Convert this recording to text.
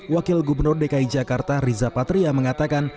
wakil gubernur dki jakarta riza patria mengatakan